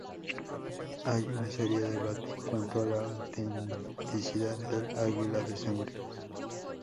Hay un serio debate en cuanto a la autenticidad del "águila de sangre".